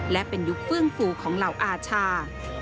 และเป็นยุคเฟื่องฟูของเหล่าอาชา